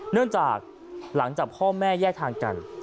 เนื่องจากหลังจากพ่อแม่แยกทางกัน